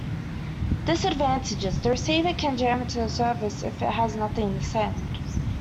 Disadvantages : The receiver can jam the service if it has nothing to send.